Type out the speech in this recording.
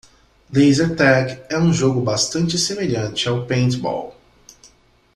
Laser tag é um jogo bastante semelhante ao paintball.